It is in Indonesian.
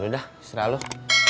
ya udah istri aluh